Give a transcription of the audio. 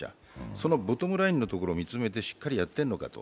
そのボトムラインのところを見つめてしっかりやっているのかと。